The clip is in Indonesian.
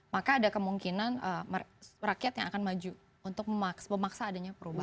maka ada kemungkinan rakyat yang akan maju untuk memaksa adanya perubahan